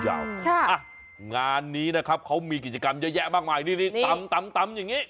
งานนี้นะครับเขามีกิจกรรมเยอะแยะมากมายนี่ตำอย่างนี้